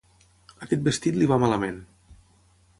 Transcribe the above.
Aquest vestit li va malament.